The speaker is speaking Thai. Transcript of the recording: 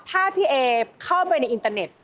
ถ้าพี่เอเข้าไปในอินเตอร์เน็ต